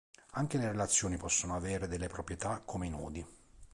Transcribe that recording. Anche le relazioni possono avere delle proprietà come i nodi.